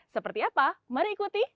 seperti apa mari ikuti